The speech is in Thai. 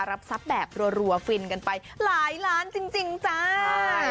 รับทรัพย์แบบรัวรัวฟินกันไปหลายล้านจริงจริงจ้าใช่